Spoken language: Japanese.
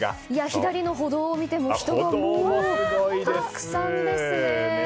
左の歩道を見ても人がたくさんですね。